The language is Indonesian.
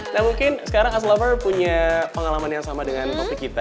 nah mungkin sekarang ex lover punya pengalaman yang sama dengan gue